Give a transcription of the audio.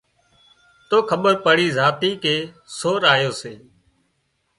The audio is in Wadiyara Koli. تو کٻير پڙي زاتي ڪي سور آيو سي